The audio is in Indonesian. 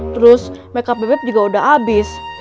terus makeup beb beb juga udah abis